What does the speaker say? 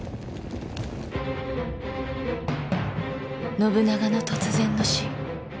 信長の突然の死。